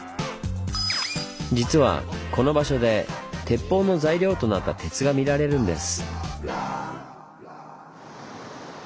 実はこの場所で鉄砲の材料となった鉄が見られるんです。